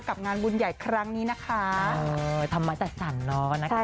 กับงานบุญใหญ่ครั้งนี้นะคะเออทำมาตรศรรณนะใช่ค่ะ